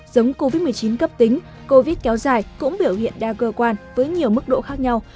giống covid một mươi chín cấp tính covid kéo dài cũng biểu hiện đa cơ quan với nhiều mức độ khác nhau